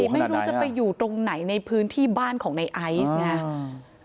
ไม่รู้จะไปอยู่ตรงไหนในพื้นที่บ้านของในไอซ์ไง